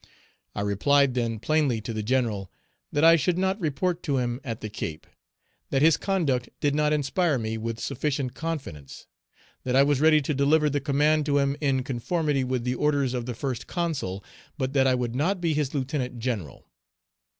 I replied then plainly to the general, "that I should not report to him at the Cape; that his conduct did not inspire me with sufficient confidence; that I was ready to deliver the command to him in conformity with the orders of the First Consul, but that I would not be his lieutenant general."